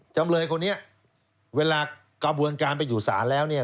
จำเลยคนนี้เวลากระบวนการไปอยู่ศาลแล้วเนี่ย